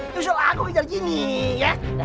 nyusul aku pijar gini ya